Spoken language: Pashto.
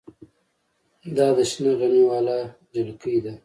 دا د شنه غمي واله جلکۍ ده.